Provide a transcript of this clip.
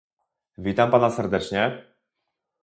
Witam pana serdecznie!